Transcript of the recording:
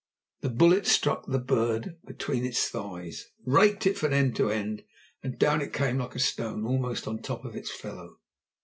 The bullet struck the bird between its thighs, raked it from end to end, and down it came like a stone almost upon the top of its fellow.